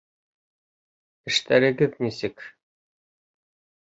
Эштәрегеҙ нисек?